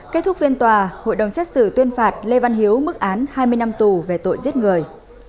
kết thúc phiên tòa hội đồng xét xử tuyên phạt lê văn hiếu mức án hai mươi năm tù về tội giết người